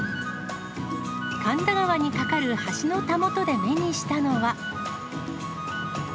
神田川に架かる橋のたもとで目にしたのは。